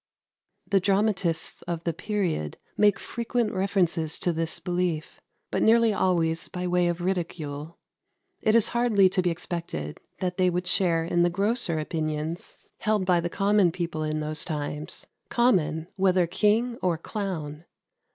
42. The dramatists of the period make frequent references to this belief, but nearly always by way of ridicule. It is hardly to be expected that they would share in the grosser opinions held by the common people in those times common, whether king or clown.